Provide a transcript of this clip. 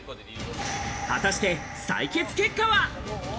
果たして採血結果は。